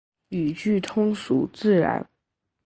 语句通俗自然